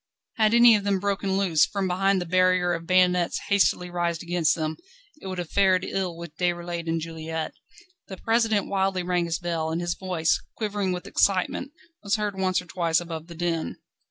Had any of them broken loose, from behind the barrier of bayonets hastily raised against them, it would have fared ill with Déroulède and Juliette. The President wildly rang his bell, and his voice, quivering with excitement, was heard once or twice above the din.